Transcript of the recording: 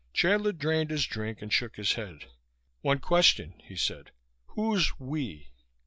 Chandler drained his drink and shook his head. "One question," he said. "Who's 'we'?"